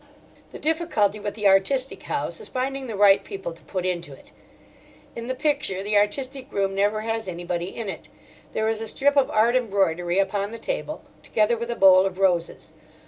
The difficulty with the artistic house is finding the right people to put into it. In the picture the artistic room never has anybody in it. There is a strip of art embroidery upon the table, together with a bowl of roses.